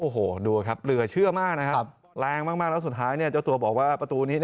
โอ้โหดูครับเหลือเชื่อมากนะครับแรงมากแล้วสุดท้ายเจ้าตัวบอกว่าประตูนี้